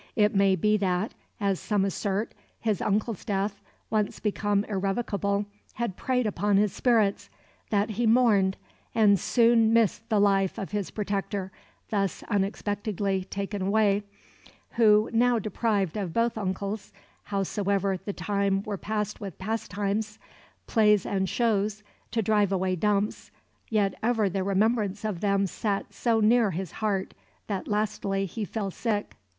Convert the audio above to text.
It may be that, as some assert, his uncle's death, once become irrevocable, had preyed upon his spirits that he "mourned, and soon missed the life of his Protector, thus unexpectedly taken away, who, now deprived of both uncles, howsoever the time were passed with pastimes, plays and shows, to drive away dumps, yet ever the remembrance of them sat so near his heart that lastly he fell sick...."